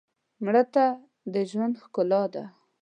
مړه ته د ژوند ښکلا ده